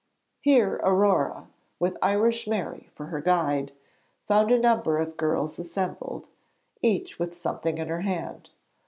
Here Aurore, with Irish Mary for her guide, found a number of girls assembled, each with something in her hand.